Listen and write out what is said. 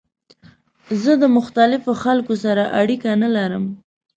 زه د مختلفو خلکو سره اړیکه نه لرم.